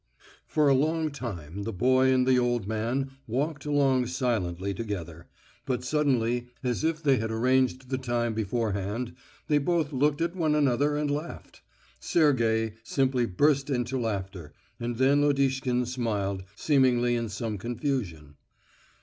For a long time the boy and the old man walked along silently together, but suddenly, as if they had arranged the time beforehand, they both looked at one another and laughed. Sergey, simply burst into laughter, and then Lodishkin smiled, seemingly in some confusion.